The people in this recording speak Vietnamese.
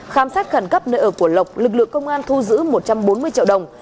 khám xét khẩn cấp nơi ở của lộc lực lượng công an thu giữ một trăm bốn mươi triệu đồng